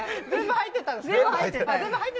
入ってた。